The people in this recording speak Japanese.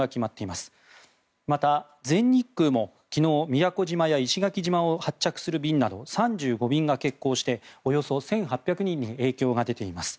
また、全日空も昨日宮古島や石垣島を発着する便など３５便が欠航しておよそ１８００人に影響が出ています。